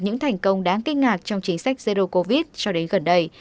những thành công đáng kinh ngạc trong chính sách zero covid cho đến gần đây